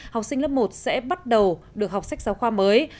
học sinh lớp một sẽ bắt đầu được học sách giáo khoa mới